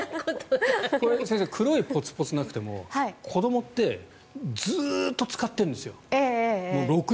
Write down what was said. これ、先生黒いポツポツがなくても子どもってずっと使ってるんですよ。